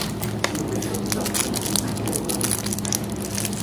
তিনি ব্যক্তিগত হিসাবে মেটানোর জন্য স্ত্রীকে ব্যবহার করছেন!